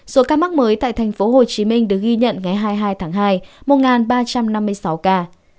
số ca mắc mới tại tp hcm được ghi nhận ngày hai mươi hai tháng hai một ba trăm năm mươi sáu ca